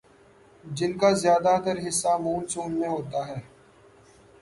جن کا زیادہ تر حصہ مون سون میں ہوتا ہے